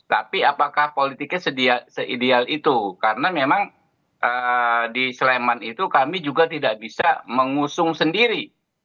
tapi apakah politiknya se ideal itu karena memang di sleman itu kami juga tidak bisa mengusung sendiri